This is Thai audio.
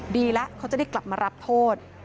ดีแล้วเขาจะได้กลับมารับโทษ